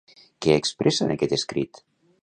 Què expressa en aquest escrit?